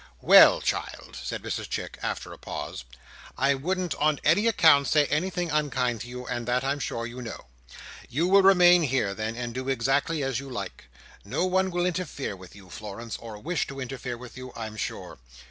"Well, child!" said Mrs Chick, after a pause "I wouldn't on any account say anything unkind to you, and that I'm sure you know. You will remain here, then, and do exactly as you like. No one will interfere with you, Florence, or wish to interfere with you, I'm sure."